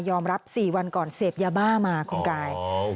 รับ๔วันก่อนเสพยาบ้ามาคุณกาย